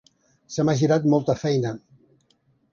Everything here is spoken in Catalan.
Se m'ha girat molta feina.